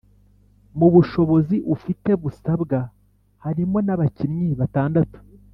Mu bushobozi ufite busabwa harimo n’abakinnyi batandatu